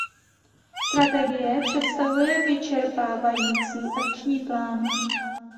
Strategie představuje vyčerpávající akční plán.